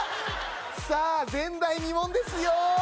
さあ前代未聞ですよ